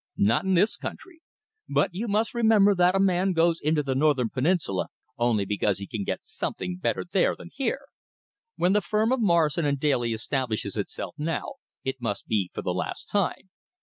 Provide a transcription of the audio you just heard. "Not in this country. But you must remember that a man goes into the northern peninsula only because he can get something better there than here. When the firm of Morrison & Daly establishes itself now, it must be for the last time.